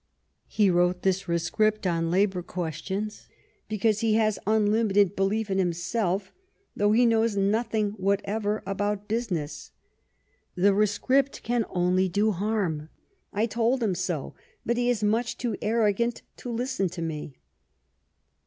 ... He wrote this Rescript [on labour questions] because he has unlimited belief in himself, though he knows nothing whatever about business. The 230 Last Fights Rescript can only do harm. 1 told him so, but he is much too arrogant to listen to me."